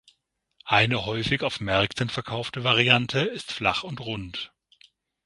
Eine häufig auf Märkten verkaufte Variante ist flach und rund.